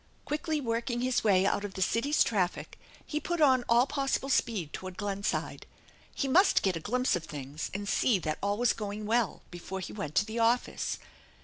Quickly working his way out of the city's traffic he put on all possible speed toward Glenside. He must get a glimpse of things and see that all was going well before he went to the office.